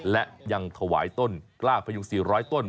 และยังถวายต้นกล้าพยุง๔๐๐ต้น